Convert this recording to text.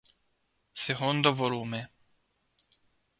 Secondo volume.